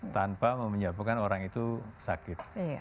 tanpa menyebabkan orang itu sakit